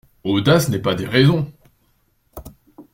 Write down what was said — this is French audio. Audace n'est pas déraison